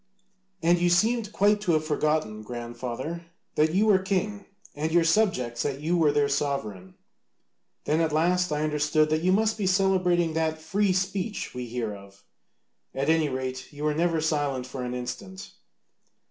And you seemed quite to have forgotten, grandfather, that you were king, and your subjects that you were their sovereign. Then at last I understood that you must be celebrating that 'free speech' we hear of; at any rate, you were never silent for an instant."